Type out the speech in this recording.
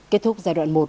kết thúc giai đoạn một